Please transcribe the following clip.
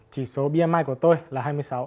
chỉ số bmi của tôi là hai mươi sáu